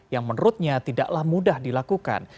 yang menurutnya tidaklah mudah dilakukan